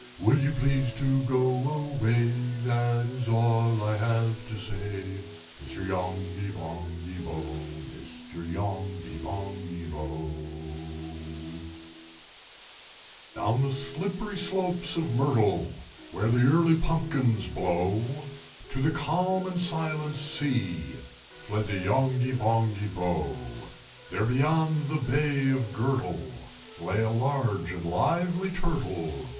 Will you please to go away? That is all I have to say, Mr. Yongby Bonghy Bò! Mr. Yonghy Bonghy Bò!" VIII. Down the slippery slopes of Myrtle, Where the early pumpkins blow, To the calm and silent sea Fled the Yonghy Bonghy Bò. There, beyond the Bay of Gurtle, Lay a large and lively Turtle.